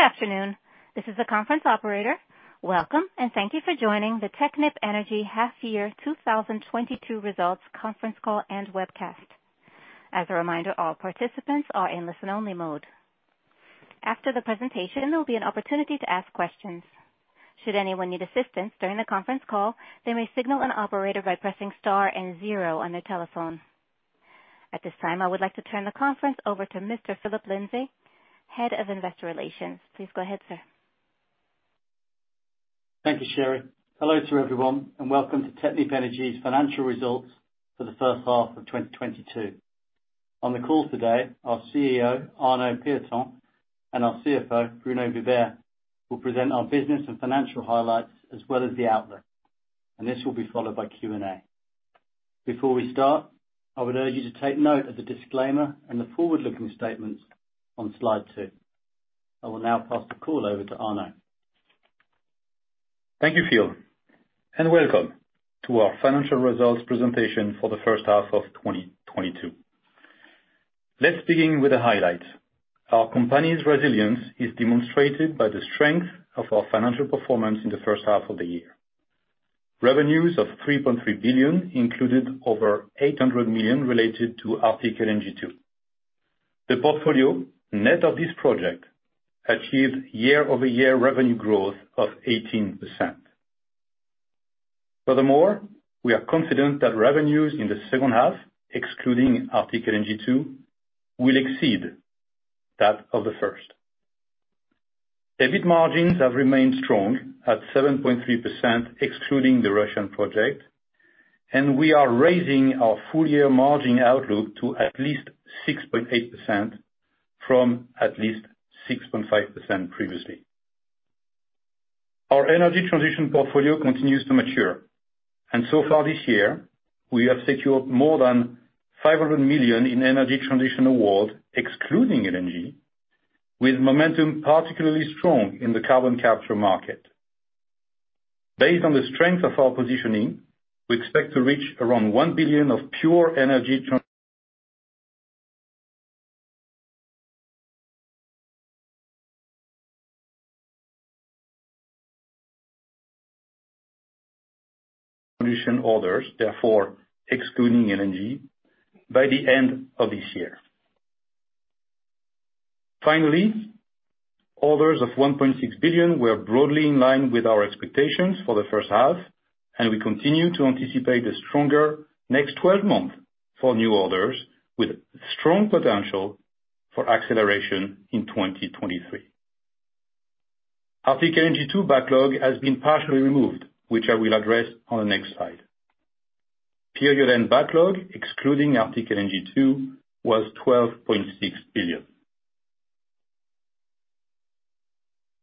Good afternoon. This is the conference operator. Welcome, and thank you for joining the Technip Energies half-year 2022 results conference call and webcast. As a reminder, all participants are in listen-only mode. After the presentation, there'll be an opportunity to ask questions. Should anyone need assistance during the conference call, they may signal an operator by pressing star and zero on their telephone. At this time, I would like to turn the conference over to Mr. Phillip Lindsay, Head of Investor Relations. Please go ahead, sir. Thank you, Sherry. Hello to everyone, and welcome to Technip Energies' financial results for the first half of 2022. On the call today, our CEO, Arnaud Pieton, and our CFO, Bruno Vibert, will present our business and financial highlights as well as the outlook, and this will be followed by Q&A. Before we start, I would urge you to take note of the disclaimer and the forward-looking statements on Slide 2. I will now pass the call over to Arnaud. Thank you, Phil, and welcome to our financial results presentation for the first half of 2022. Let's begin with the highlights. Our company's resilience is demonstrated by the strength of our financial performance in the first half of the year. Revenues of 3.3 billion included over 800 million related to Arctic LNG 2. The portfolio net of this project achieved year-over-year revenue growth of 18%. Furthermore, we are confident that revenues in the second half, excluding Arctic LNG 2, will exceed that of the first. EBIT margins have remained strong at 7.3%, excluding the Russian project, and we are raising our full year margin outlook to at least 6.8% from at least 6.5% previously. Our energy transition portfolio continues to mature, and so far this year, we have secured more than 500 million in energy transition awards, excluding LNG, with momentum particularly strong in the carbon capture market. Based on the strength of our positioning, we expect to reach around 1 billion of pure energy transition orders, therefore excluding LNG, by the end of this year. Finally, orders of 1.6 billion were broadly in line with our expectations for the first half, and we continue to anticipate a stronger next 12 months for new orders, with strong potential for acceleration in 2023. Arctic LNG 2 backlog has been partially removed, which I will address on the next slide. Period-end backlog, excluding Arctic LNG 2, was EUR 12.6 billion.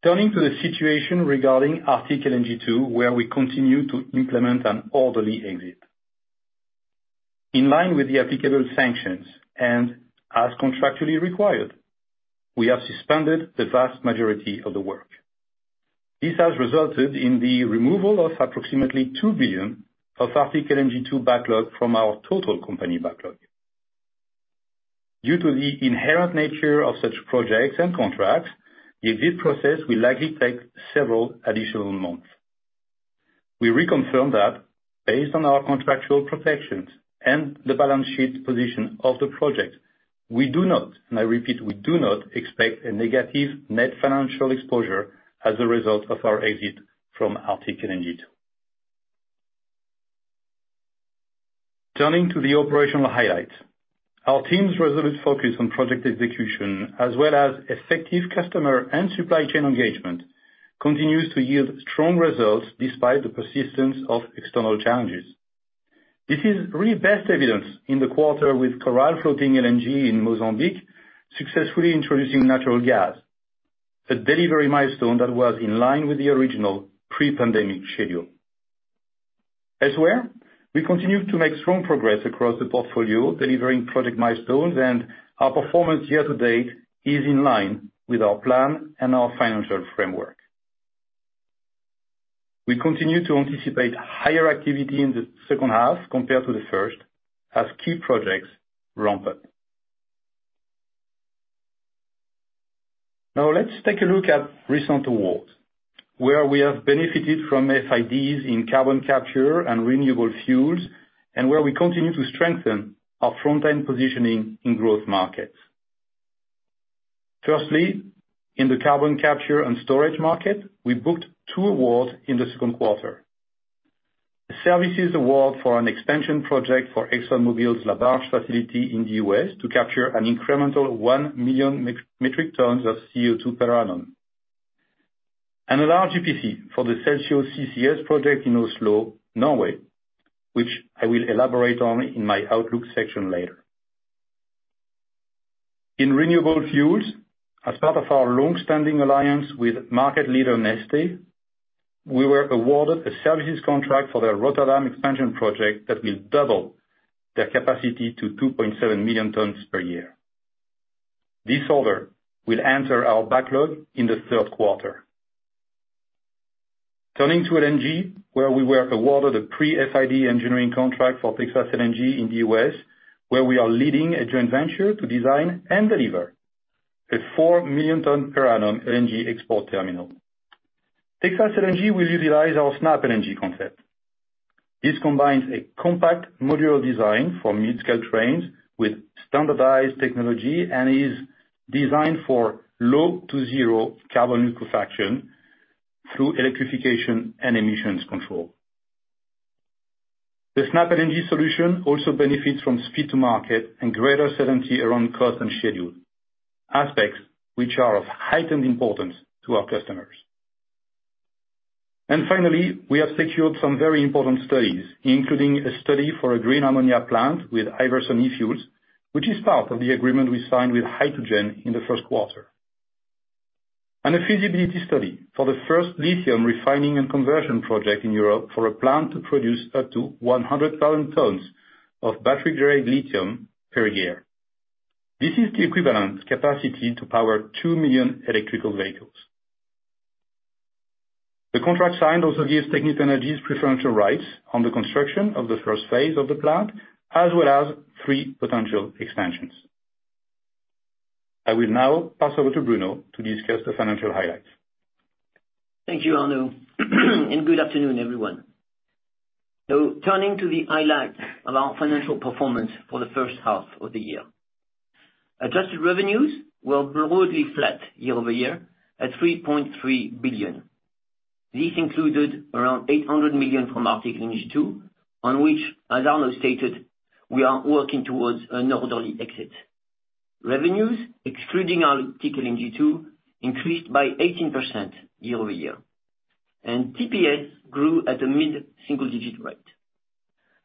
Turning to the situation regarding Arctic LNG 2, where we continue to implement an orderly exit. In line with the applicable sanctions and as contractually required, we have suspended the vast majority of the work. This has resulted in the removal of approximately 2 billion of Arctic LNG 2 backlog from our total company backlog. Due to the inherent nature of such projects and contracts, the exit process will likely take several additional months. We reconfirm that based on our contractual protections and the balance sheet position of the project, we do not, and I repeat, we do not expect a negative net financial exposure as a result of our exit from Arctic LNG 2. Turning to the operational highlights. Our team's resolute focus on project execution as well as effective customer and supply chain engagement continues to yield strong results despite the persistence of external challenges. This is really best evidenced in the quarter with Coral Sul FLNG in Mozambique successfully introducing natural gas, a delivery milestone that was in line with the original pre-pandemic schedule. Elsewhere, we continue to make strong progress across the portfolio, delivering project milestones, and our performance year to date is in line with our plan and our financial framework. We continue to anticipate higher activity in the second half compared to the first as key projects ramp up. Now let's take a look at recent awards, where we have benefited from FIDs in carbon capture and renewable fuels, and where we continue to strengthen our front-end positioning in growth markets. Firstly, in the carbon capture and storage market, we booked two awards in the second quarter. A services award for an expansion project for ExxonMobil's LaBarge facility in the U.S. to capture an incremental 1 million metric tons of CO2 per annum. A large EPC for the Celsio CCS project in Oslo, Norway, which I will elaborate on in my outlook section later. In renewable fuels, as part of our long-standing alliance with market leader Neste, we were awarded a services contract for their Rotterdam expansion project that will double their capacity to 2.7 million tons per year. This order will enter our backlog in the third quarter. Turning to LNG, where we were awarded a pre-FID engineering contract for Texas LNG in the U.S., where we are leading a joint venture to design and deliver a 4 million tons per annum LNG export terminal. Texas LNG will utilize our SnapLNG concept. This combines a compact modular design for mid-scale trains with standardized technology and is designed for low to zero carbon manufacturing through electrification and emissions control. The SnapLNG solution also benefits from speed to market and greater certainty around cost and schedule, aspects which are of heightened importance to our customers. Finally, we have secured some very important studies, including a study for a green ammonia plant with Hy2gen and e-fuels, which is part of the agreement we signed with Hy2gen in the first quarter. A feasibility study for the first lithium refining and conversion project in Europe for a plant to produce up to 100,000 tons of battery-grade lithium per year. This is the equivalent capacity to power 2 million electrical vehicles. The contract signed also gives Technip Energies preferential rights on the construction of the first phase of the plant, as well as three potential extensions. I will now pass over to Bruno to discuss the financial highlights. Thank you, Arnaud. Good afternoon, everyone. Turning to the highlights of our financial performance for the first half of the year. Adjusted revenues were broadly flat year-over-year at 3.3 billion. This included around 800 million from Arctic LNG 2, on which, as Arnaud stated, we are working towards an orderly exit. Revenues, excluding our Arctic LNG 2, increased by 18% year-over-year, and TPS grew at a mid-single digit rate.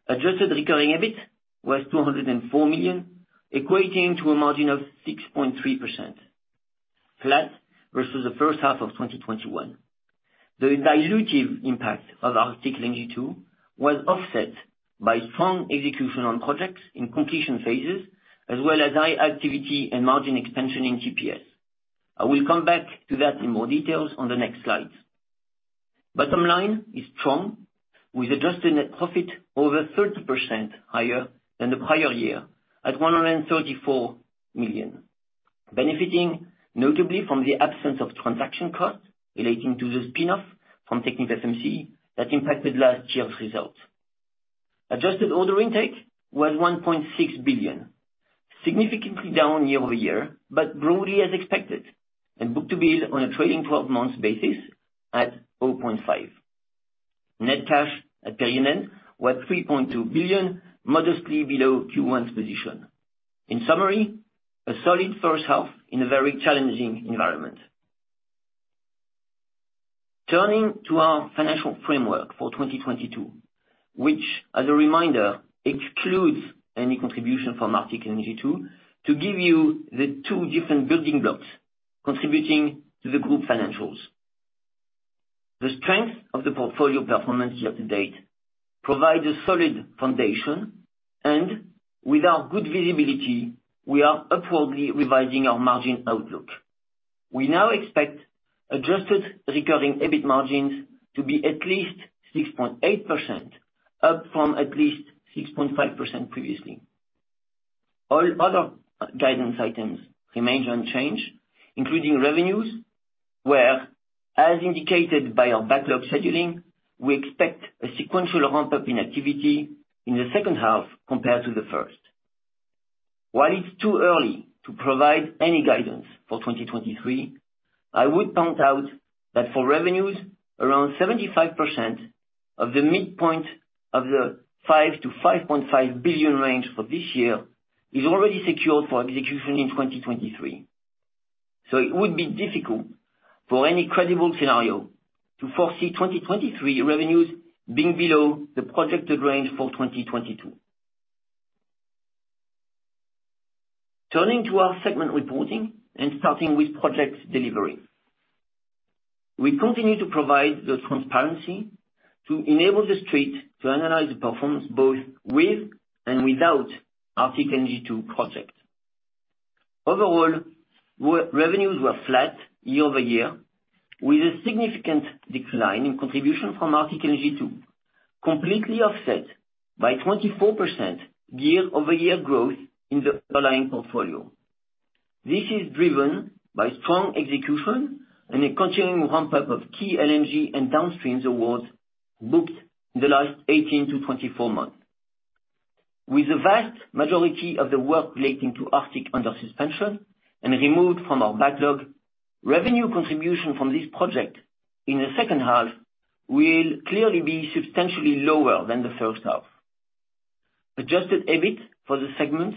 Adjusted recurring EBIT was 204 million, equating to a margin of 6.3%, flat versus the first half of 2021. The dilutive impact of Arctic LNG 2 was offset by strong execution on projects in completion phases as well as high activity and margin expansion in TPS. I will come back to that in more details on the next slides. Bottom line is strong, with adjusted net profit over 30% higher than the prior year at 134 million, benefiting notably from the absence of transaction costs relating to the spin-off from TechnipFMC that impacted last year's results. Adjusted order intake was 1.6 billion, significantly down year-over-year, but broadly as expected, and book-to-bill on a trailing 12 months basis at 0.5. Net cash at period end was 3.2 billion, modestly below Q1's position. In summary, a solid first half in a very challenging environment. Turning to our financial framework for 2022, which as a reminder, excludes any contribution from Arctic LNG 2 to give you the two different building blocks contributing to the group financials. The strength of the portfolio performance year to date provides a solid foundation, and with our good visibility, we are upwardly revising our margin outlook. We now expect adjusted recurring EBIT margins to be at least 6.8%, up from at least 6.5% previously. All other guidance items remain unchanged, including revenues, where, as indicated by our backlog scheduling, we expect a sequential ramp-up in activity in the second half compared to the first. While it's too early to provide any guidance for 2023, I would point out that for revenues, around 75% of the midpoint of the 5 billion-5.5 billion range for this year is already secured for execution in 2023. It would be difficult for any credible scenario to foresee 2023 revenues being below the projected range for 2022. Turning to our segment reporting and starting with Project Delivery. We continue to provide the transparency to enable the Street to analyze the performance both with and without Arctic LNG 2 project. Overall, revenues were flat year-over-year, with a significant decline in contribution from Arctic LNG 2, completely offset by 24% year-over-year growth in the underlying portfolio. This is driven by strong execution and a continuing ramp-up of key LNG and downstreams awards booked in the last 18-24 months. With the vast majority of the work relating to Arctic under suspension and removed from our backlog, revenue contribution from this project in the second half will clearly be substantially lower than the first half. Adjusted EBIT for the segment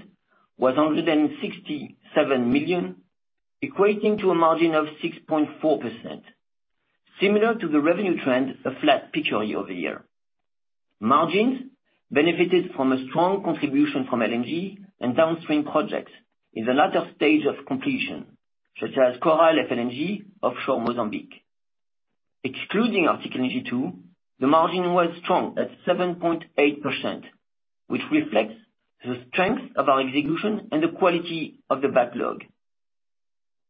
was 167 million, equating to a margin of 6.4%. Similar to the revenue trend, a flat picture year-over-year. Margins benefited from a strong contribution from LNG and downstream projects in the latter stage of completion, such as Coral Sul FLNG offshore Mozambique. Excluding Arctic LNG 2, the margin was strong at 7.8%, which reflects the strength of our execution and the quality of the backlog.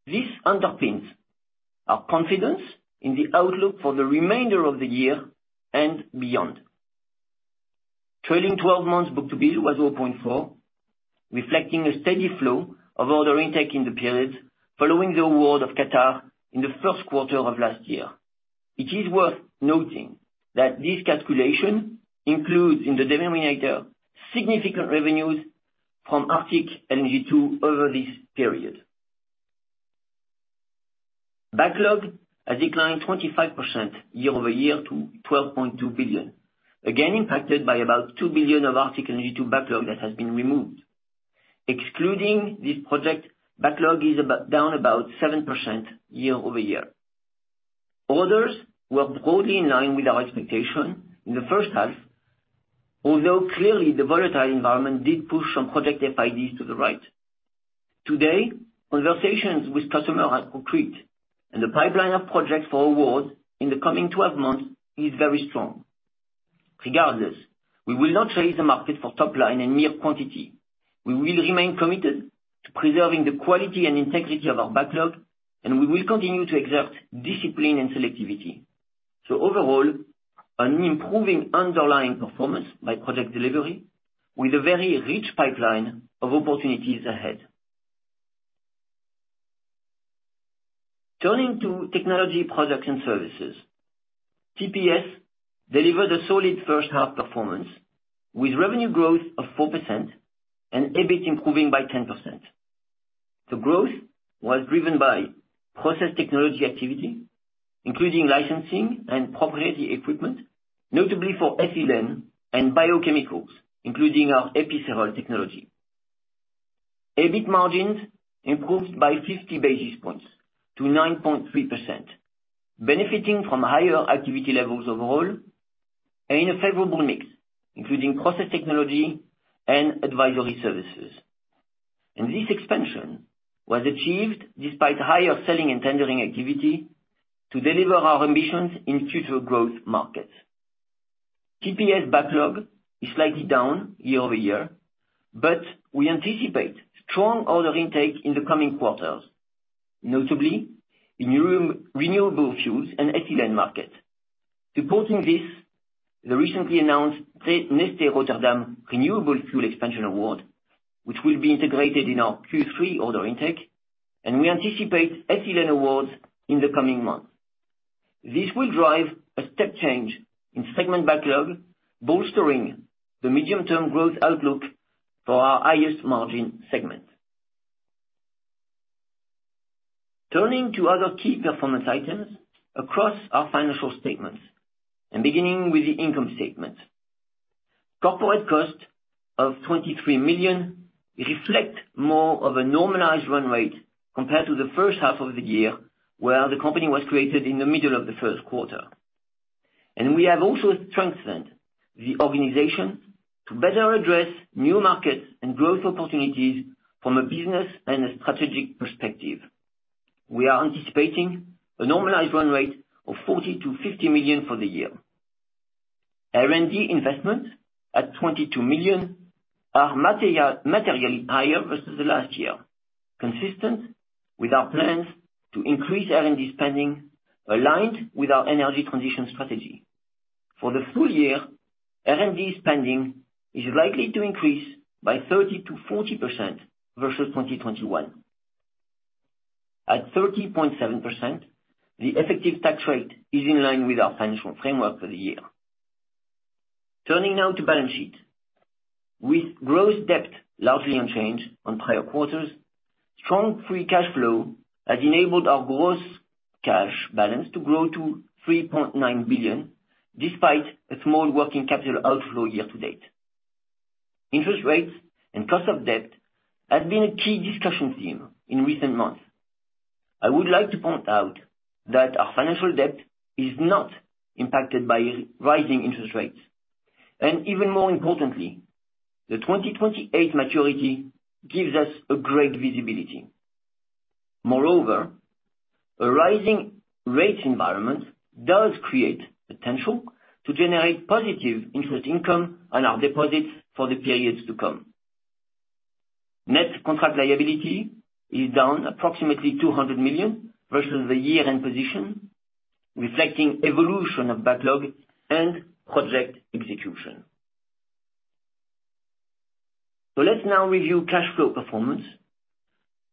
This underpins our confidence in the outlook for the remainder of the year and beyond. Trailing 12 months book-to-bill was 0.4, reflecting a steady flow of order intake in the period following the award of Qatar in the first quarter of last year. It is worth noting that this calculation includes in the denominator significant revenues from Arctic LNG 2 over this period. Backlog has declined 25% year-over-year to 12.2 billion, again impacted by about 2 billion of Arctic LNG 2 backlog that has been removed. Excluding this project, backlog is about down 7% year-over-year. Orders were broadly in line with our expectation in the first half, although clearly the volatile environment did push some project FIDs to the right. Today, conversations with customers are concrete, and the pipeline of projects for awards in the coming 12 months is very strong. Regardless, we will not chase the market for top line and mere quantity. We will remain committed to preserving the quality and integrity of our backlog, and we will continue to exert discipline and selectivity. Overall, an improving underlying performance by Project Delivery with a very rich pipeline of opportunities ahead. Turning to technology products and services. TPS delivered a solid first half performance, with revenue growth of 4% and EBIT improving by 10%. The growth was driven by process technology activity, including licensing and proprietary equipment, notably for Ethylene and Biochemicals, including our Epicerol technology. EBIT margins improved by 50 basis points to 9.3%, benefiting from higher activity levels overall and in a favorable mix, including process technology and advisory services. This expansion was achieved despite higher selling and tendering activity to deliver our ambitions in future growth markets. TPS backlog is slightly down year-over-year, but we anticipate strong order intake in the coming quarters, notably in renewable fuels and ethylene markets. Supporting this, the recently announced Neste Rotterdam renewable fuel expansion award, which will be integrated in our Q3 order intake, and we anticipate Ethylene awards in the coming months. This will drive a step change in segment backlog, bolstering the medium-term growth outlook for our highest margin segment. Turning to other key performance items across our financial statements, and beginning with the income statement. Corporate costs of 23 million reflect more of a normalized run rate compared to the first half of the year, where the company was created in the middle of the first quarter. We have also strengthened the organization to better address new markets and growth opportunities from a business and a strategic perspective. We are anticipating a normalized run rate of 40 million-50 million for the year. R&D investment at 22 million are materially higher versus the last year, consistent with our plans to increase R&D spending aligned with our energy transition strategy. For the full year, R&D spending is likely to increase by 30%-40% versus 2021. At 30.7%, the effective tax rate is in line with our financial framework for the year. Turning now to balance sheet. With gross debt largely unchanged from prior quarters, strong free cash flow has enabled our gross cash balance to grow to 3.9 billion, despite a small working capital outflow year to date. Interest rates and cost of debt have been a key discussion theme in recent months. I would like to point out that our financial debt is not impacted by rising interest rates. Even more importantly, the 2028 maturity gives us a great visibility. Moreover, a rising rate environment does create potential to generate positive interest income on our deposits for the periods to come. Net contract liability is down approximately 200 million versus the year-end position, reflecting evolution of backlog and project execution. Let's now review cash flow performance,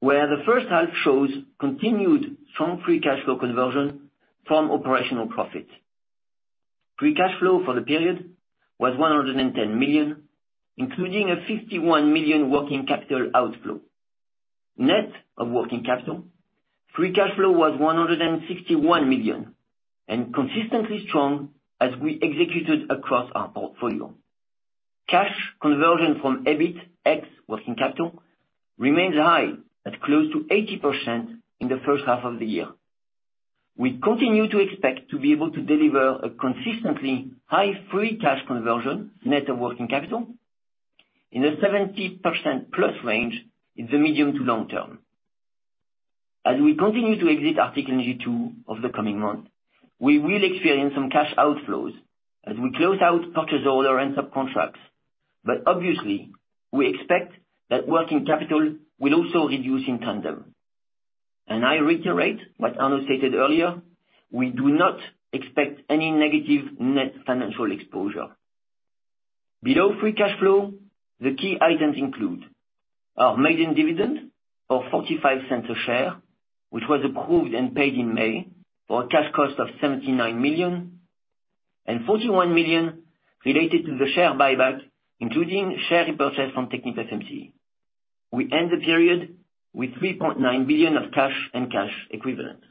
where the first half shows continued strong free cash flow conversion from operational profits. Free cash flow for the period was 110 million, including a 51 million working capital outflow. Net of working capital, free cash flow was 161 million and consistently strong as we executed across our portfolio. Cash conversion from EBIT ex working capital remains high at close to 80% in the first half of the year. We continue to expect to be able to deliver a consistently high free cash conversion net of working capital in the 70% plus range in the medium to long term. As we continue to exit Arctic LNG 2 over the coming months, we will experience some cash outflows as we close out purchase order and subcontracts. Obviously, we expect that working capital will also reduce in tandem. I reiterate what Arnaud stated earlier, we do not expect any negative net financial exposure. Below free cash flow, the key items include our maiden dividend of 0.45 a share, which was approved and paid in May for a cash cost of 79 million, and 41 million related to the share buyback, including share repurchase from TechnipFMC. We end the period with 3.9 billion of cash and cash equivalents.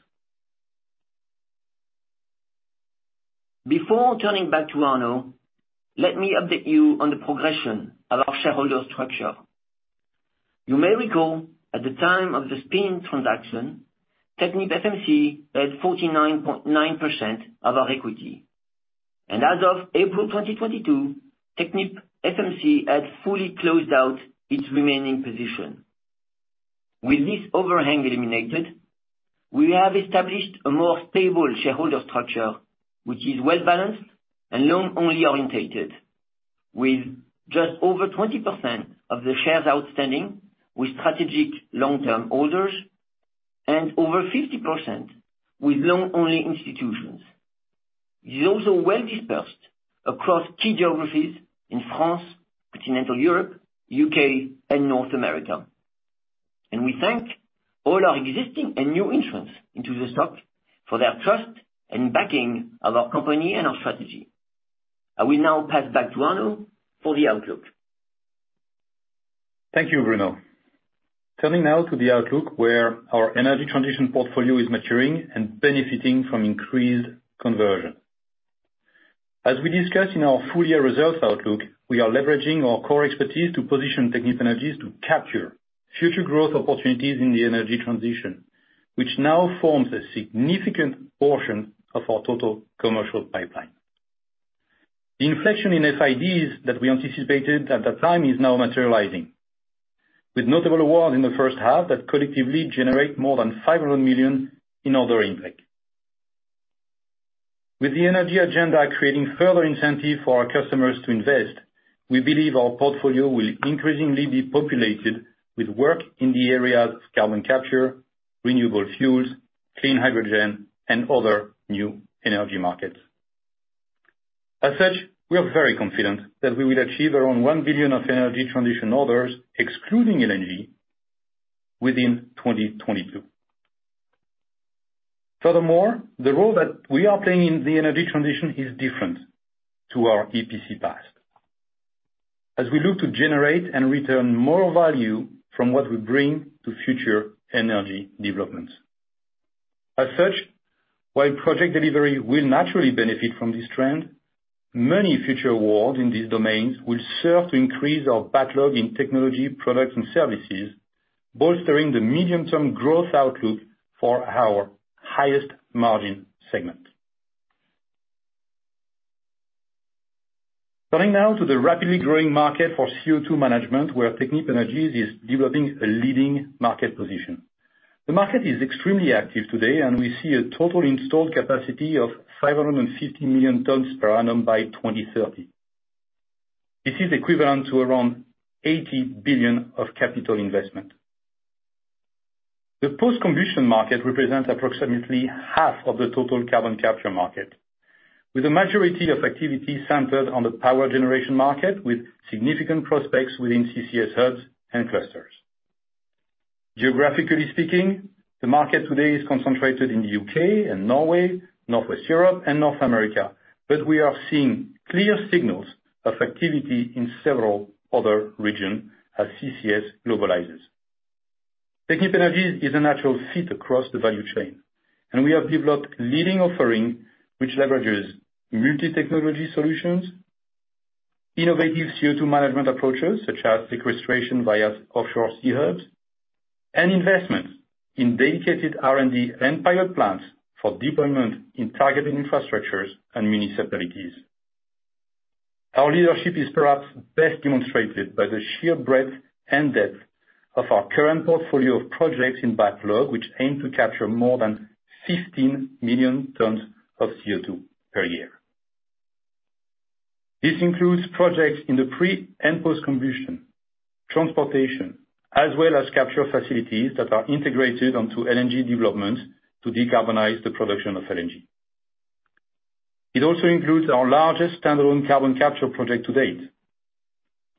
Before turning back to Arnaud, let me update you on the progression of our shareholder structure. You may recall at the time of the spin transaction, TechnipFMC had 49.9% of our equity. As of April 2022, TechnipFMC had fully closed out its remaining position. With this overhang eliminated, we have established a more stable shareholder structure, which is well-balanced and long-only oriented. With just over 20% of the shares outstanding with strategic long-term holders and over 50% with long-only institutions. It is also well dispersed across key geographies in France, Continental Europe, U.K., and North America. We thank all our existing and new entrants into the stock for their trust and backing of our company and our strategy. I will now pass back to Arnaud for the outlook. Thank you, Bruno. Turning now to the outlook where our energy transition portfolio is maturing and benefiting from increased conversion. As we discussed in our full year results outlook, we are leveraging our core expertise to position Technip Energies to capture future growth opportunities in the energy transition, which now forms a significant portion of our total commercial pipeline. The inflection in FIDs that we anticipated at that time is now materializing with notable awards in the first half that collectively generate more than 500 million in order intake. With the energy agenda creating further incentive for our customers to invest, we believe our portfolio will increasingly be populated with work in the areas of carbon capture, renewable fuels, clean hydrogen, and other new energy markets. As such, we are very confident that we will achieve around 1 billion of energy transition orders, excluding LNG, within 2022. Furthermore, the role that we are playing in the energy transition is different to our EPC past. As we look to generate and return more value from what we bring to future energy developments. As such, while Project Delivery will naturally benefit from this trend, many future awards in these domains will serve to increase our backlog in Technology, Products and Services, bolstering the medium-term growth outlook for our highest margin segment. Coming now to the rapidly growing market for CO2 management, where Technip Energies is developing a leading market position. The market is extremely active today, and we see a total installed capacity of 550 million tons per annum by 2030. This is equivalent to around 80 billion of capital investment. The post-combustion market represents approximately half of the total carbon capture market, with the majority of activity centered on the power generation market, with significant prospects within CCS hubs and clusters. Geographically speaking, the market today is concentrated in the U.K. and Norway, Northwest Europe and North America, but we are seeing clear signals of activity in several other regions as CCS globalizes. Technip Energies is a natural fit across the value chain, and we have developed leading offerings which leverages multi-technology solutions, innovative CO2 management approaches such as sequestration via offshore C-Hubs, and investments in dedicated R&D and pilot plants for deployment in targeted infrastructures and municipalities. Our leadership is perhaps best demonstrated by the sheer breadth and depth of our current portfolio of projects in backlog, which aim to capture more than 15 million tons of CO2 per year. This includes projects in the pre- and post-combustion, transportation, as well as capture facilities that are integrated onto LNG developments to decarbonize the production of LNG. It also includes our largest standalone carbon capture project to date.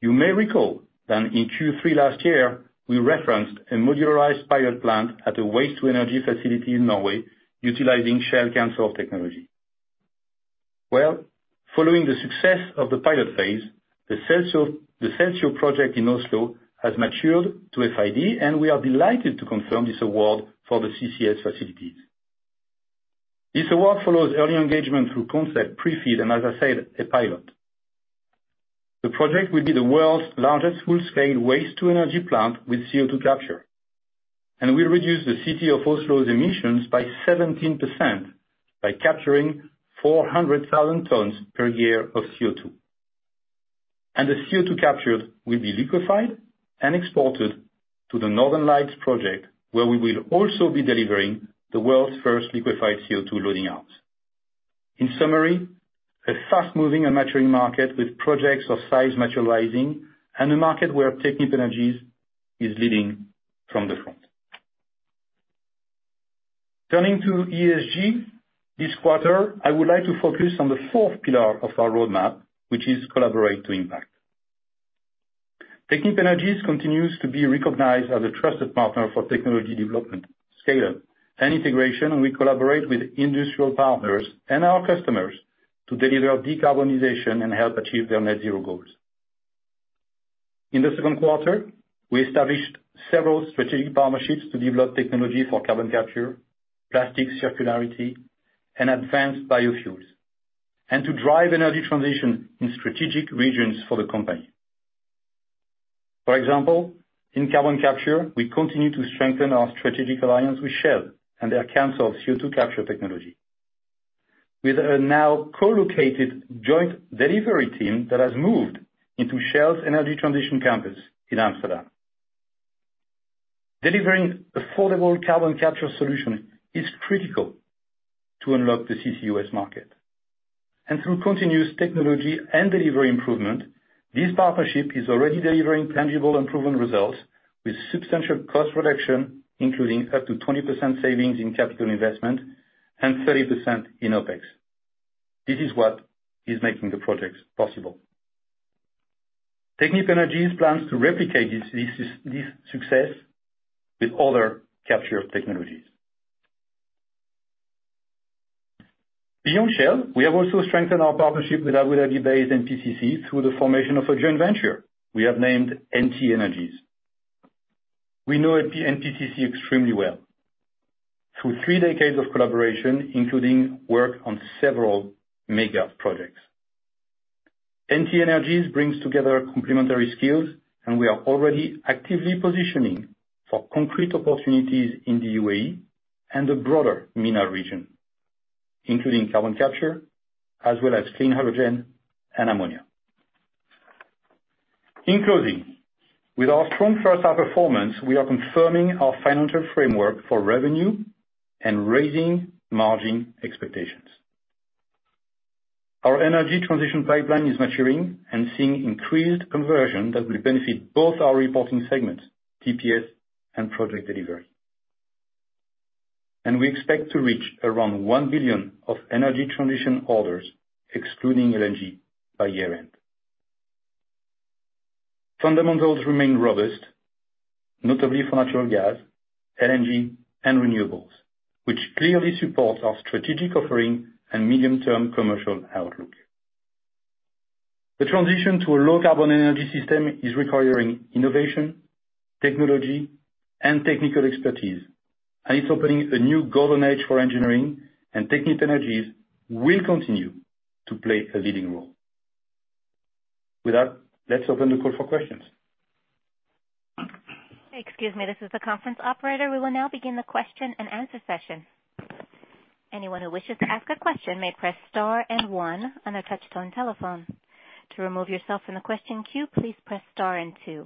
You may recall that in Q3 last year, we referenced a modularized pilot plant at a waste-to-energy facility in Norway utilizing Shell CANSOLV technology. Well, following the success of the pilot phase, the Celsio project in Oslo has matured to FID, and we are delighted to confirm this award for the CCS facilities. This award follows early engagement through concept pre-feed and, as I said, a pilot. The project will be the world's largest full-scale waste-to-energy plant with CO2 capture. It will reduce the city of Oslo's emissions by 17% by capturing 400,000 tons per year of CO2. The CO2 captured will be liquefied and exported to the Northern Lights project, where we will also be delivering the world's first liquefied CO2 loading arms. In summary, a fast moving and maturing market with projects of size materializing and a market where Technip Energies is leading from the front. Turning to ESG. This quarter, I would like to focus on the fourth pillar of our roadmap, which is collaborate to impact. Technip Energies continues to be recognized as a trusted partner for technology development, scale and integration, and we collaborate with industrial partners and our customers to deliver decarbonization and help achieve their net zero goals. In the second quarter, we established several strategic partnerships to develop technology for carbon capture, plastic circularity and advanced biofuels, and to drive energy transition in strategic regions for the company. For example, in carbon capture, we continue to strengthen our strategic alliance with Shell and their CANSOLV CO2 capture technology. With a now co-located joint delivery team that has moved into Shell's energy transition campus in Amsterdam. Delivering affordable carbon capture solution is critical to unlock the CCUS market. Through continuous technology and delivery improvement, this partnership is already delivering tangible and proven results with substantial cost reduction, including up to 20% savings in capital investment and 30% in OpEx. This is what is making the projects possible. Technip Energies plans to replicate this success with other capture technologies. Beyond Shell, we have also strengthened our partnership with Abu Dhabi-based NPCC through the formation of a joint venture we have named NT Energies. We know NPCC extremely well. Through three decades of collaboration, including work on several mega projects. NT Energies brings together complementary skills, and we are already actively positioning for concrete opportunities in the UAE and the broader MENA region, including carbon capture as well as clean hydrogen and ammonia. In closing, with our strong first half performance, we are confirming our financial framework for revenue and raising margin expectations. Our energy transition pipeline is maturing and seeing increased conversion that will benefit both our reporting segments, TPS and Project Delivery. We expect to reach around 1 billion of energy transition orders, excluding LNG, by year end. Fundamentals remain robust, notably for natural gas, LNG and renewables, which clearly supports our strategic offering and medium-term commercial outlook. The transition to a low carbon energy system is requiring innovation, technology and technical expertise, and it's opening a new golden age for engineering, and Technip Energies will continue to play a leading role. With that, let's open the call for questions. Excuse me, this is the conference operator. We will now begin the question and answer session. Anyone who wishes to ask a question may press star and one on a touch-tone telephone. To remove yourself from the question queue, please press star and two.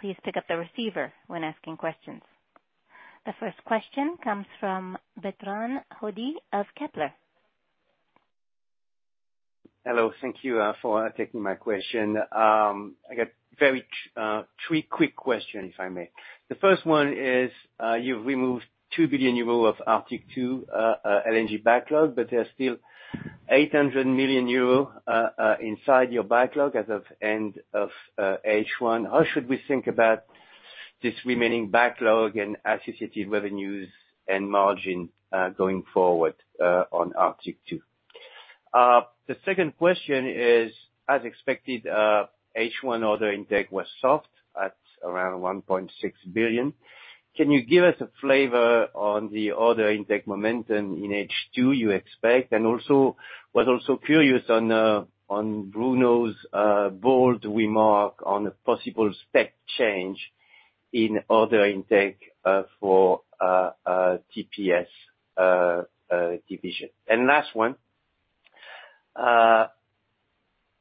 Please pick up the receiver when asking questions. The first question comes from Bertrand Hodee of Kepler Cheuvreux. Hello. Thank you for taking my question. I have three quick questions, if I may. The first one is, you've removed 2 billion euro of Arctic LNG 2 backlog, but there are still 800 million euro inside your backlog as of end of H1. How should we think about this remaining backlog and associated revenues and margin going forward on Arctic LNG 2? The second question is, as expected, H1 order intake was soft at around 1.6 billion. Can you give us a flavor on the order intake momentum in H2 you expect? I'm also curious on Bruno's bold remark on a possible step change in order intake for TPS division. Last one.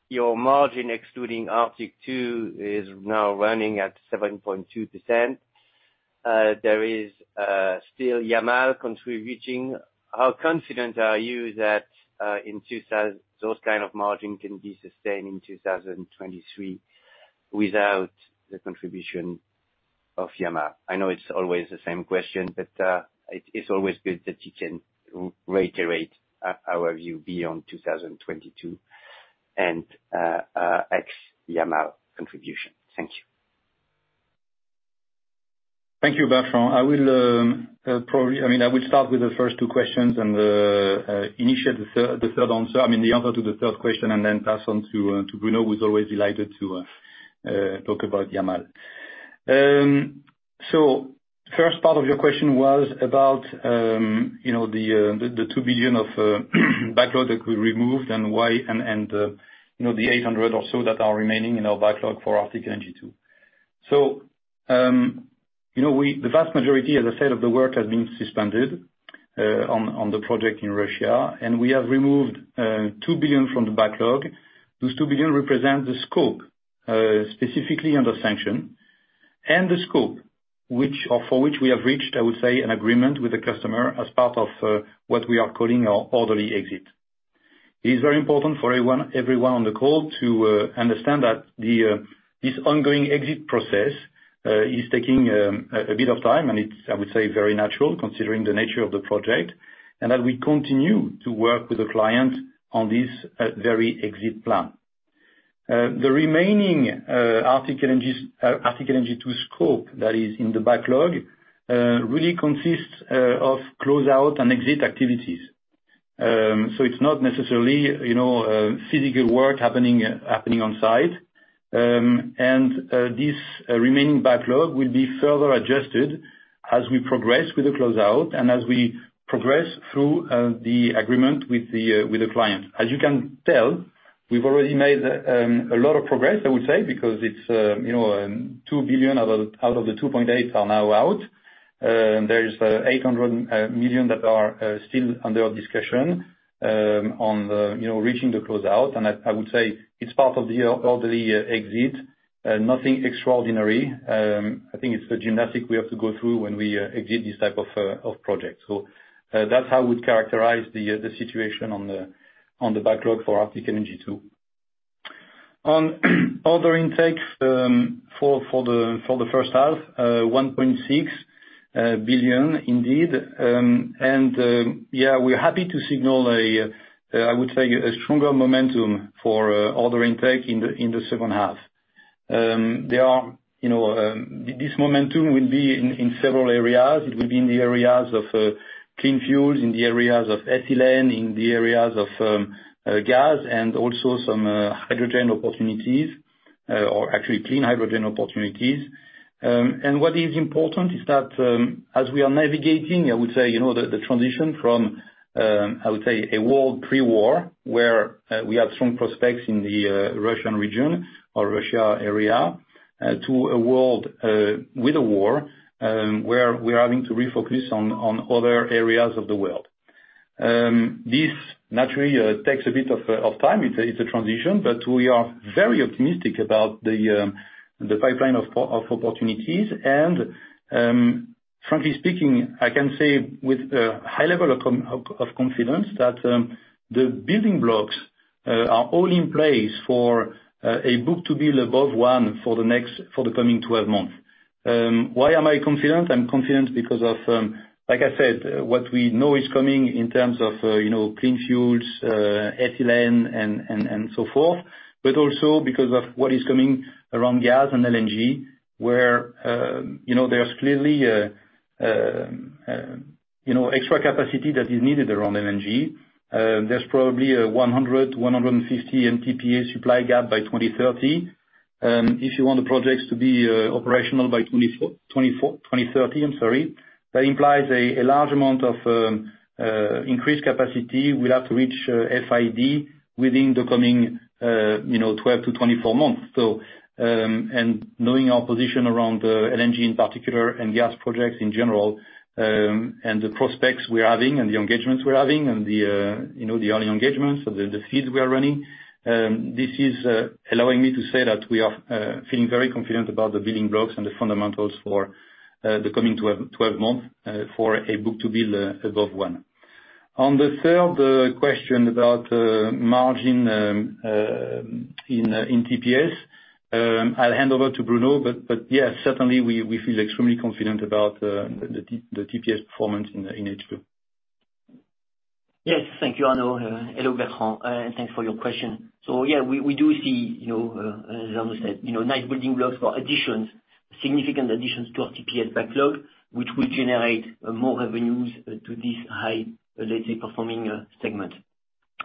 Your margin excluding Arctic LNG 2 is now running at 7.2%. There is still Yamal contributing. How confident are you that those kind of margin can be sustained in 2023 without the contribution of Yamal? I know it's always the same question, but it's always good that you can reiterate our view beyond 2022 and ex Yamal contribution. Thank you. Thank you, Bertrand. I will start with the first two questions and initiate the third answer. I mean, the answer to the third question and then pass on to Bruno, who's always delighted to talk about Yamal. First part of your question was about you know, the 2 billion of backlog that we removed and why, and you know, the 800 million or so that are remaining in our backlog for Arctic LNG 2. You know, we, the vast majority, as I said, of the work has been suspended on the project in Russia, and we have removed 2 billion from the backlog. Those 2 billion represent the scope specifically under sanction and the scope which, or for which we have reached, I would say, an agreement with the customer as part of what we are calling our orderly exit. It is very important for everyone on the call to understand that this ongoing exit process is taking a bit of time, and it's, I would say, very natural considering the nature of the project, and that we continue to work with the client on this orderly exit plan. The remaining Arctic LNG 2 scope that is in the backlog really consists of closeout and exit activities. So it's not necessarily, you know, physical work happening on site. This remaining backlog will be further adjusted as we progress with the closeout and as we progress through the agreement with the client. As you can tell, we've already made a lot of progress, I would say, because it's you know 2 billion out of the 2.8 billion are now out. There is 800 million that are still under discussion on the you know reaching the closeout. I would say it's part of the orderly exit, nothing extraordinary. I think it's a gymnastics we have to go through when we exit this type of project. That's how I would characterize the situation on the backlog for Arctic LNG 2. On order intake, for the first half, 1.6 billion indeed. We're happy to signal a stronger momentum for order intake in the second half. This momentum will be in several areas. It will be in the areas of clean fuels, in the areas of ethylene, in the areas of gas, and also some hydrogen opportunities, or actually clean hydrogen opportunities. What is important is that, as we are navigating, I would say, you know, the transition from, I would say a world pre-war, where we have strong prospects in the Russian region or Russia area, to a world with a war, where we're having to refocus on other areas of the world. This naturally takes a bit of time. It's a transition, but we are very optimistic about the pipeline of opportunities. Frankly speaking, I can say with a high level of confidence that the building blocks are all in place for a book-to-bill above one for the coming 12 months. Why am I confident? I'm confident because of, like I said, what we know is coming in terms of, you know, clean fuels, ethylene, and so forth, but also because of what is coming around gas and LNG, where, you know, there's clearly, you know, extra capacity that is needed around LNG. There's probably a 100-150 MTPA supply gap by 2030. If you want the projects to be operational by 2030, I'm sorry, that implies a large amount of increased capacity. We'll have to reach FID within the coming, you know, 12-24 months. Knowing our position around LNG in particular and gas projects in general, and the prospects we are having and the engagements we're having and the, you know, the early engagements, so the feeds we are running, this is allowing me to say that we are feeling very confident about the building blocks and the fundamentals for the coming twelve months, for a book-to-bill above one. On the third question about margin in TPS, I'll hand over to Bruno. Yeah, certainly we feel extremely confident about the TPS performance in H2. Yes. Thank you, Arnaud. Hello, Bertrand. Thanks for your question. Yeah, we do see, you know, as Arnaud said, you know, nice building blocks for additions, significant additions to our TPS backlog, which will generate more revenues to this highly performing segment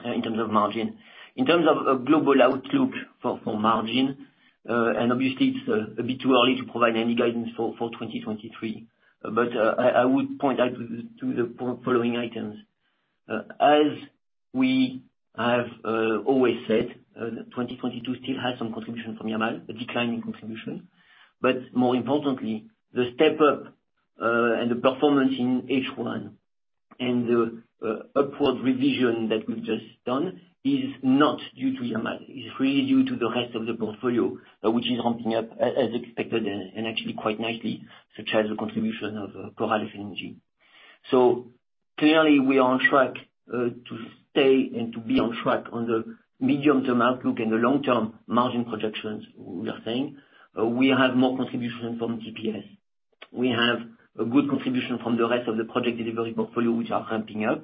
in terms of margin. In terms of a global outlook for margin and obviously it's a bit too early to provide any guidance for 2023. I would point out the following items. As we have always said, 2022 still has some contribution from Yamal, a declining contribution, but more importantly, the step up and the performance in H1 and the upward revision that we've just done is not due to Yamal. It's really due to the rest of the portfolio, which is ramping up as expected and actually quite nicely, such as the contribution of Coral LNG. Clearly we are on track to stay and to be on track on the medium-term outlook and the long-term margin projections we are saying. We have more contribution from TPS. We have a good contribution from the rest of the project delivery portfolio, which are ramping up.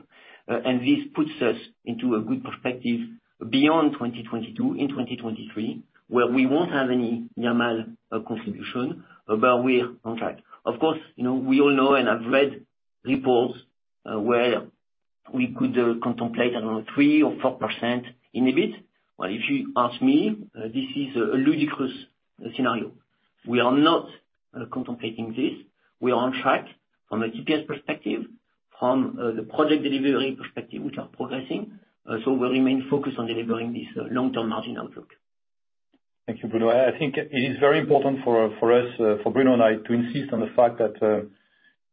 This puts us into a good perspective beyond 2022, in 2023, where we won't have any Yamal contribution, but we're on track. Of course, you know, we all know and have read reports where we could contemplate around 3% or 4% in EBIT. Well, if you ask me, this is a ludicrous scenario. We are not contemplating this. We are on track from a TPS perspective, from the Project Delivery perspective, which are progressing. We'll remain focused on delivering this long-term margin outlook. Thank you, Bruno. I think it is very important for us, for Bruno and I, to insist on the fact that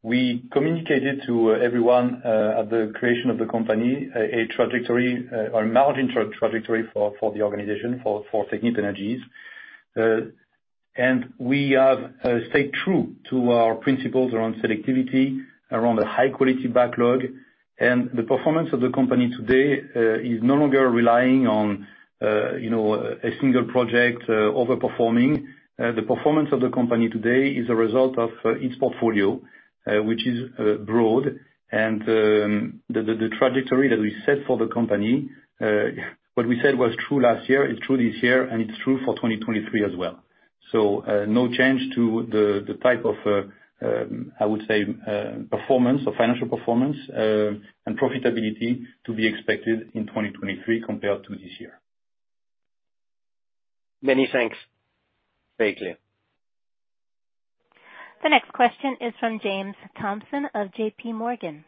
we communicated to everyone at the creation of the company a trajectory or margin trajectory for the organization, for Technip Energies. We have stayed true to our principles around selectivity, around a high quality backlog. The performance of the company today is no longer relying on you know, a single project over-performing. The performance of the company today is a result of its portfolio, which is broad. The trajectory that we set for the company, what we said was true last year, is true this year, and it's true for 2023 as well. No change to the type of, I would say, performance or financial performance and profitability to be expected in 2023 compared to this year. Many thanks. Very clear. The next question is from James Thompson of J.P. Morgan.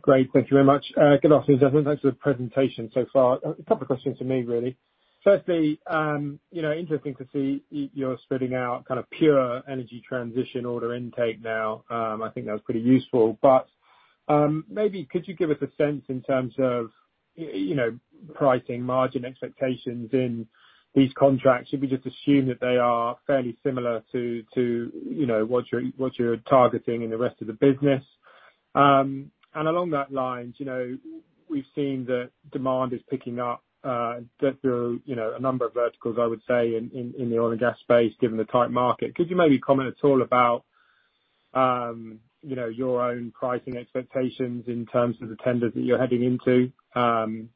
Great. Thank you very much. Good afternoon, gentlemen, thanks for the presentation so far. A couple questions from me, really. Firstly, you know, interesting to see you're spitting out kind of pure energy transition order intake now. I think that was pretty useful. Maybe could you give us a sense in terms of, you know, pricing margin expectations in these contracts? Should we just assume that they are fairly similar to, you know, what you're targeting in the rest of the business? Along those lines, you know, we've seen that demand is picking up, through you know, a number of verticals, I would say, in the oil and gas space, given the tight market. Could you maybe comment at all about, you know, your own pricing expectations in terms of the tenders that you're heading into?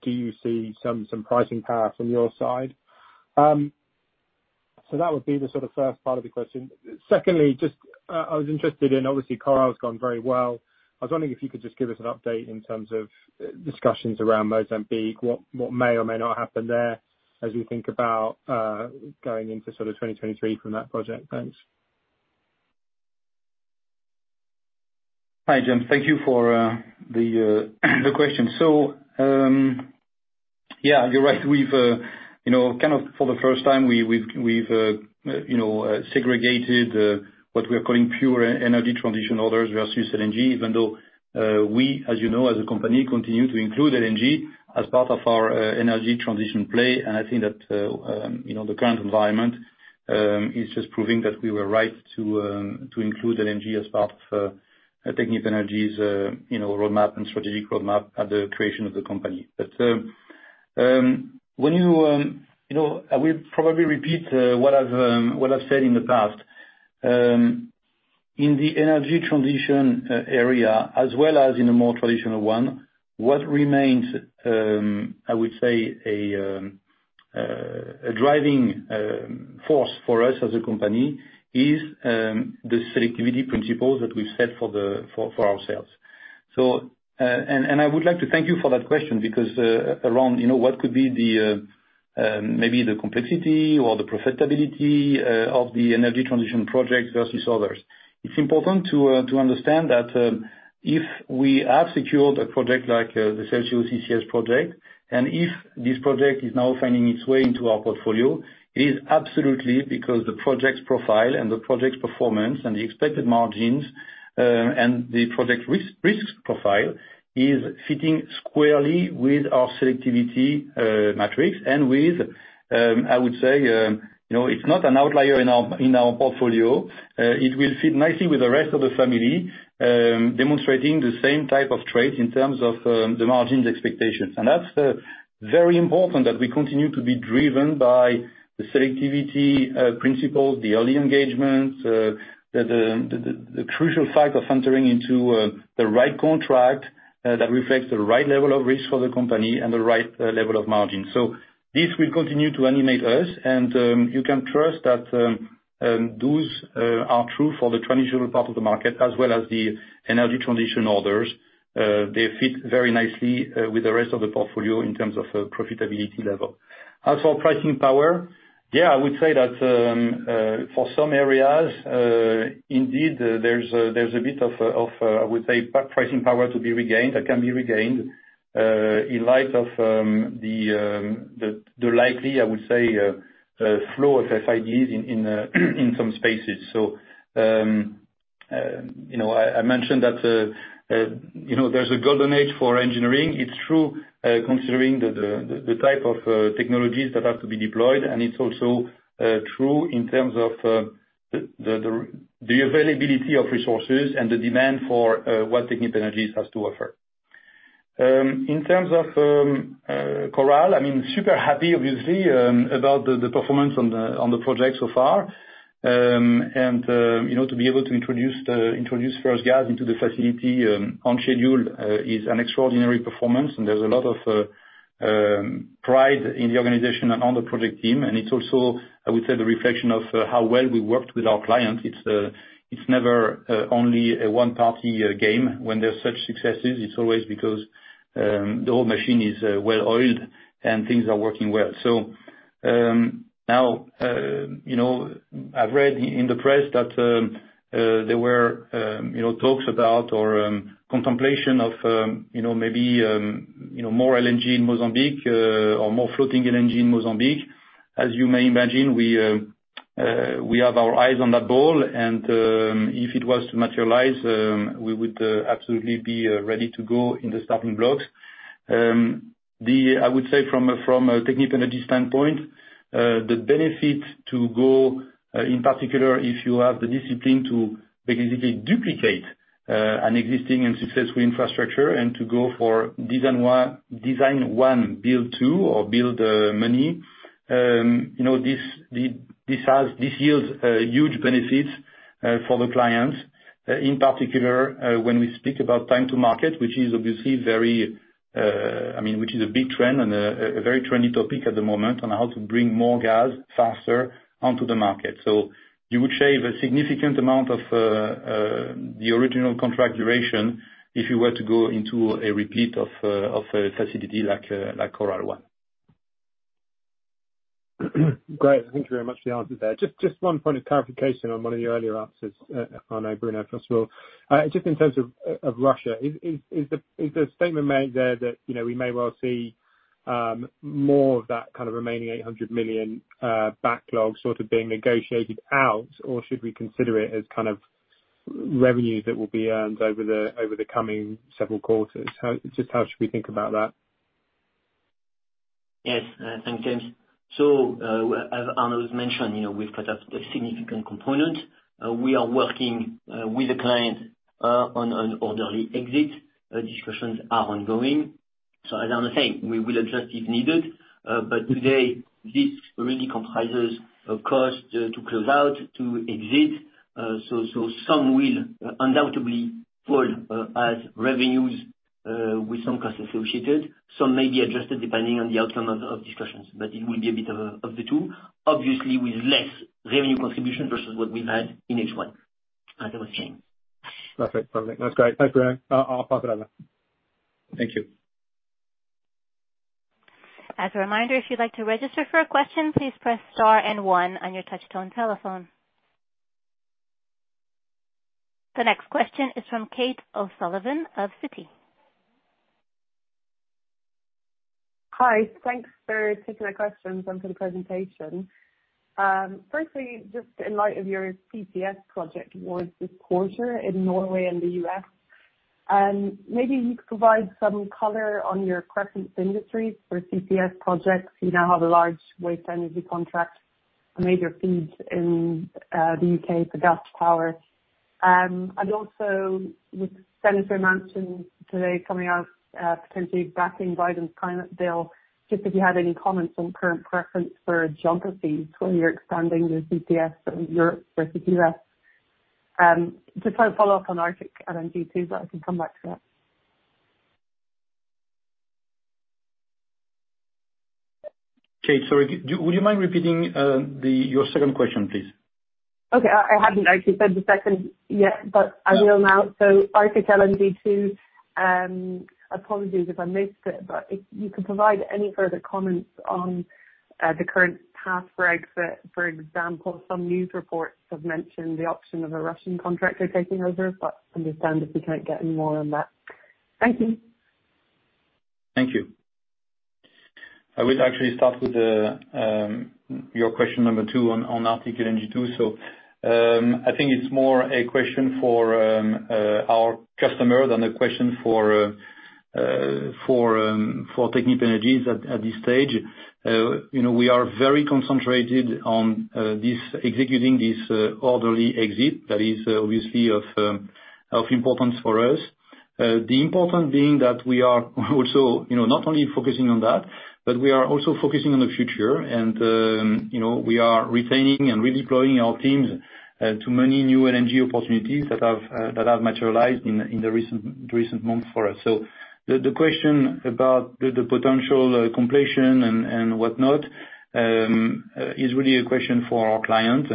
Do you see some pricing power from your side? That would be the sort of first part of the question. Secondly, just, I was interested in, obviously Coral's gone very well. I was wondering if you could just give us an update in terms of discussions around Mozambique, what may or may not happen there as we think about going into sort of 2023 from that project. Thanks. Hi, James. Thank you for the question. Yeah, you're right. We've you know, kind of for the first time, we've segregated what we are calling pure energy transition orders versus LNG, even though we, as you know, as a company, continue to include LNG as part of our energy transition play. I think that you know, the current environment is just proving that we were right to include LNG as part of Technip Energies' roadmap and strategic roadmap at the creation of the company. When you know, I will probably repeat what I've said in the past. In the energy transition area, as well as in a more traditional one, what remains, I would say, a driving force for us as a company is the selectivity principles that we've set for ourselves. I would like to thank you for that question, because around, you know, what could be the maybe the complexity or the profitability of the energy transition projects versus others. It's important to understand that if we have secured a project like the Celsio CCS project, and if this project is now finding its way into our portfolio, it is absolutely because the project's profile, and the project's performance, and the expected margins, and the project risk profile, is fitting squarely with our selectivity metrics and with, I would say, you know, it's not an outlier in our portfolio. It will fit nicely with the rest of the family, demonstrating the same type of trait in terms of the margins expectations. That's very important that we continue to be driven by the selectivity principles, the early engagements, the crucial fact of entering into the right contract that reflects the right level of risk for the company and the right level of margin. This will continue to animate us, and you can trust that those are true for the transitional part of the market as well as the energy transition orders. They fit very nicely with the rest of the portfolio in terms of the profitability level. As for pricing power, yeah, I would say that for some areas, indeed, there's a bit of I would say pricing power to be regained, that can be regained in light of the likely I would say flow of FIDs in some spaces. You know, I mentioned that you know there's a golden age for engineering. It's true considering the type of technologies that have to be deployed, and it's also true in terms of the availability of resources and the demand for what Technip Energies has to offer. In terms of Coral, I mean, super happy obviously about the performance on the project so far. You know, to be able to introduce first gas into the facility on schedule is an extraordinary performance, and there's a lot of pride in the organization and on the project team. It's also, I would say, the reflection of how well we worked with our clients. It's never only a one party game. When there's such successes, it's always because the whole machine is well-oiled, and things are working well. I've read in the press that there were you know talks about or contemplation of you know maybe you know more LNG in Mozambique or more floating LNG in Mozambique. As you may imagine, we have our eyes on that ball, and if it was to materialize, we would absolutely be ready to go in the starting blocks. I would say from a Technip Energies standpoint, the benefit to go in particular, if you have the discipline to basically duplicate an existing and successful infrastructure and to go for design one, build two or build many, you know, this yields huge benefits for the clients in particular when we speak about time to market, which is obviously very, I mean, which is a big trend and a very trendy topic at the moment on how to bring more gas faster onto the market. You would shave a significant amount of the original contract duration if you were to go into a repeat of a facility like Coral Sul. Great. Thank you very much for the answer there. Just one point of clarification on one of your earlier answers, Arnaud, Bruno, first of all. Just in terms of Russia, is the statement made there that, you know, we may well see more of that kind of remaining 800 million backlog sort of being negotiated out? Or should we consider it as kind of revenues that will be earned over the coming several quarters? How should we think about that? Yes. Thanks, James. As Arnaud has mentioned, you know, we've put up a significant component. We are working with the client on an orderly exit. Discussions are ongoing. As Arnaud was saying, we will adjust if needed. But today, this really comprises a cost to close out, to exit. So some will undoubtedly fall as revenues with some costs associated. Some may be adjusted depending on the outcome of discussions. But it will be a bit of the two, obviously with less revenue contribution versus what we had in H1. As I was saying. Perfect. That's great. Thanks, Bruno. I'll pass it on now. Thank you. As a reminder, if you'd like to register for a question, please press star and one on your touch-tone telephone. The next question is from Kate O'Sullivan of Citi. Hi. Thanks for taking the questions and for the presentation. Firstly, just in light of your CCS project wins this quarter in Norway and the U.S., maybe you could provide some color on your preferred industries for CCS projects. You now have a large waste-to-energy contract, a major FEED in the U.K. for gas power. Also with Senator Manchin today coming out, potentially backing Biden's climate bill, just if you had any comments on current preferences for geography where you're expanding your CCS, so Europe versus U.S. Just one follow-up on Arctic LNG too, but I can come back to that. Kate, sorry, would you mind repeating your second question, please? Okay. I hadn't actually said the second yet, but I will now. Arctic LNG 2, apologies if I missed it, but if you could provide any further comments on the current path for exit. For example, some news reports have mentioned the option of a Russian contractor taking over, but understand if we can't get any more on that. Thank you. Thank you. I will actually start with the your question number two on Arctic LNG 2. I think it's more a question for our customer than a question for for Technip Energies at this stage. You know, we are very concentrated on executing this orderly exit that is obviously of importance for us. The important being that we are also, you know, not only focusing on that, but we are also focusing on the future. You know, we are retaining and redeploying our teams to many new LNG opportunities that have materialized in the recent months for us. The question about the potential completion and whatnot is really a question for our client.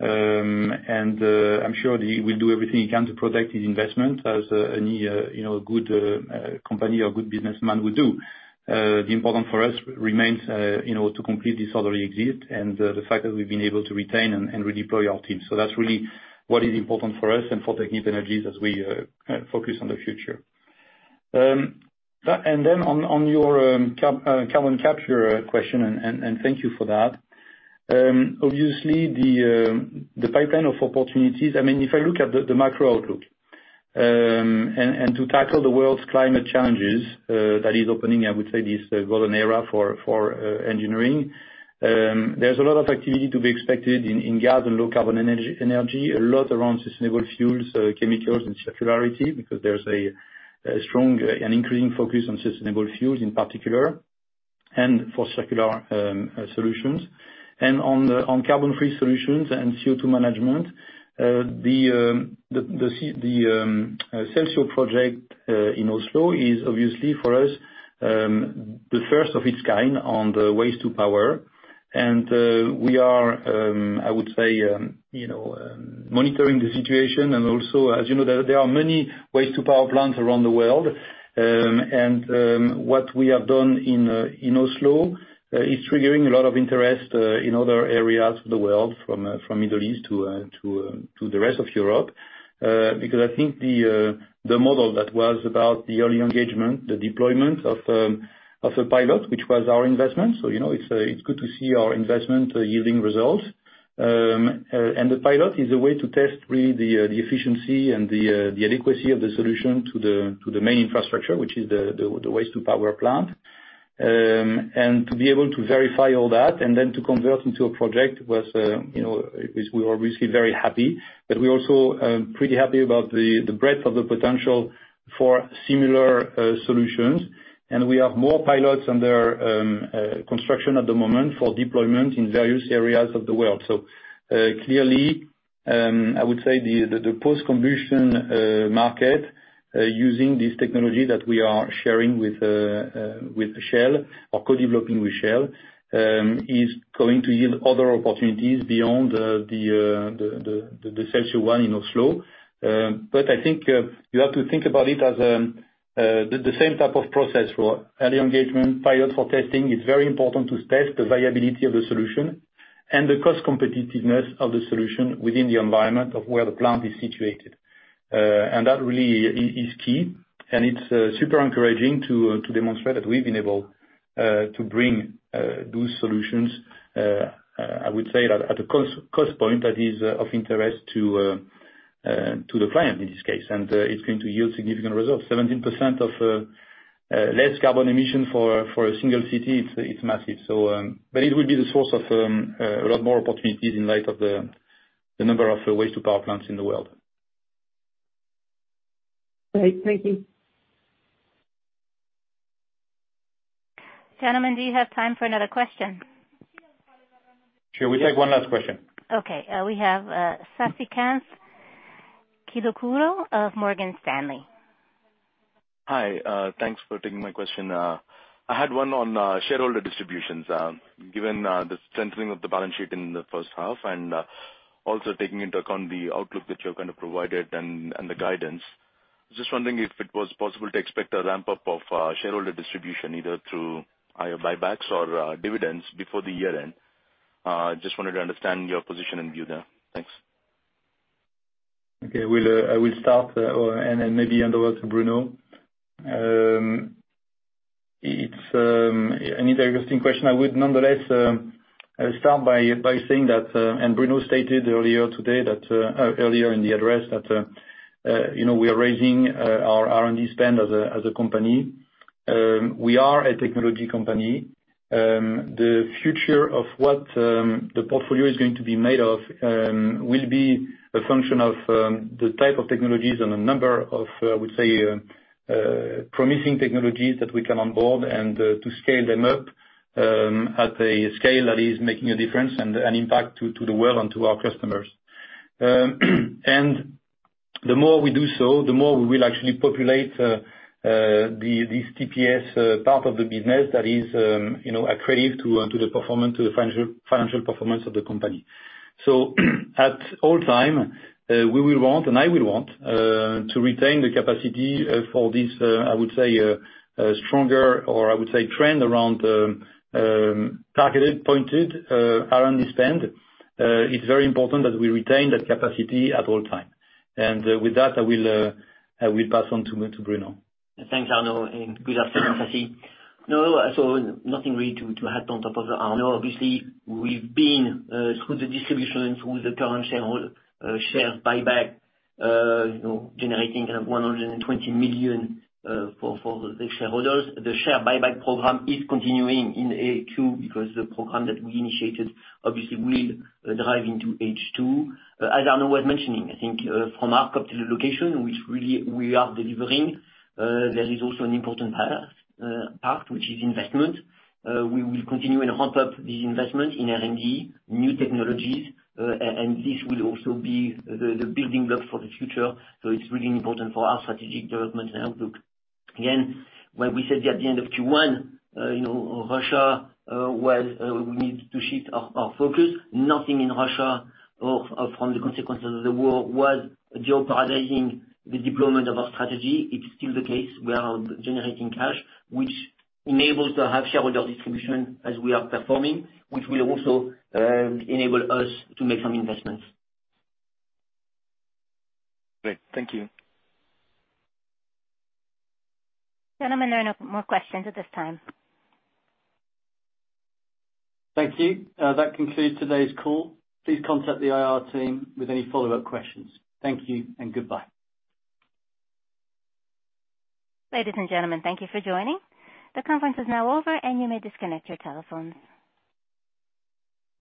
I'm sure he will do everything he can to protect his investment as any you know good company or good businessman would do. The important for us remains you know to complete this orderly exit and the fact that we've been able to retain and redeploy our team. That's really what is important for us and for Technip Energies as we focus on the future. Then on your carbon capture question, and thank you for that. Obviously the pipeline of opportunities I mean if I look at the macro outlook and to tackle the world's climate challenges that is opening I would say this golden era for engineering. There's a lot of activity to be expected in gas and low carbon energy, a lot around sustainable fuels, chemicals and circularity, because there's a strong and increasing focus on sustainable fuels in particular, and for circular solutions. On carbon-free solutions and CO2 management, the Celsio project in Oslo is obviously for us the first of its kind on the waste-to-energy. We are, I would say, you know, monitoring the situation. Also, as you know, there are many waste-to-energy plants around the world. What we have done in Oslo is triggering a lot of interest in other areas of the world, from the Middle East to the rest of Europe. Because I think the model that was about the early engagement, the deployment of a pilot, which was our investment. You know, it's good to see our investment yielding results. The pilot is a way to test really the efficiency and the adequacy of the solution to the main infrastructure, which is the waste-to-energy plant. To be able to verify all that and then to convert into a project is, you know, we are obviously very happy. We're also pretty happy about the breadth of the potential for similar solutions. We have more pilots under construction at the moment for deployment in various areas of the world. Clearly, I would say the post-combustion market using this technology that we are sharing with Shell or co-developing with Shell is going to yield other opportunities beyond the Celsio one in Oslo. I think you have to think about it as the same type of process for early engagement, pilot for testing. It's very important to test the viability of the solution and the cost competitiveness of the solution within the environment of where the plant is situated. That really is key, and it's super encouraging to demonstrate that we've been able to bring those solutions, I would say at a cost point that is of interest to the client in this case. It's going to yield significant results. 17% less carbon emission for a single city, it's massive. It will be the source of a lot more opportunities in light of the number of waste to power plants in the world. Great. Thank you. Gentlemen, do you have time for another question? Sure. We'll take one last question. Okay. We have, Sasikanth Chilukuru of Morgan Stanley. Hi. Thanks for taking my question. I had one on shareholder distributions. Given the strengthening of the balance sheet in the first half and also taking into account the outlook that you're gonna provide it and the guidance, I was just wondering if it was possible to expect a ramp-up of shareholder distribution, either through buybacks or dividends before the year end. Just wanted to understand your position and view there. Thanks. Okay. I will start and then maybe hand over to Bruno. It's an interesting question. I would nonetheless start by saying that Bruno stated earlier today, earlier in the address, that you know we are raising our R&D spend as a company. We are a technology company. The future of what the portfolio is going to be made of will be a function of the type of technologies and the number of we say promising technologies that we come on board and to scale them up at a scale that is making a difference and an impact to the world and to our customers. The more we do so, the more we will actually populate the TPS part of the business that is, you know, accretive to the performance, to the financial performance of the company. At all times, we will want, and I will want, to retain the capacity for this, I would say, stronger or I would say trend around targeted, pointed R&D spend. It's very important that we retain that capacity at all times. With that, I will pass on to Bruno. Thanks, Arnaud, and good afternoon, Sasi. No, nothing really to add on top of Arnaud. Obviously, we've been through the distribution, through the current shareholder share buyback, you know, generating kind of 120 million for the shareholders. The share buyback program is continuing in Q because the program that we initiated obviously will drive into H2. As Arnaud was mentioning, I think from our point of location, which really we are delivering, there is also an important part, which is investment. We will continue and ramp up the investment in R&D, new technologies, and this will also be the building blocks for the future. It's really important for our strategic development and outlook. Again, when we said at the end of Q1, you know, we need to shift our focus, nothing in Russia or from the consequences of the war was jeopardizing the deployment of our strategy. It's still the case. We are generating cash, which enables to have shareholder distribution as we are performing, which will also enable us to make some investments. Great. Thank you. Gentlemen, there are no more questions at this time. Thank you. That concludes today's call. Please contact the IR team with any follow-up questions. Thank you and goodbye. Ladies and gentlemen, thank you for joining. The conference is now over, and you may disconnect your telephones.